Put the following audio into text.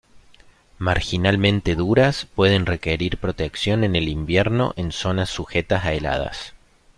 Marginalmente duras, pueden requerir protección en el invierno en zonas sujetas a heladas.